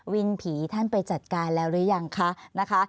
วินผีท่านไปจัดการแล้วหรืออย่างคะ